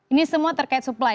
ini semua terkait supply